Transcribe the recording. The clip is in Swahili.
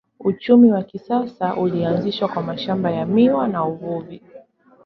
Uchumi wa kisasa ulianzishwa kwa mashamba ya miwa na uvuvi.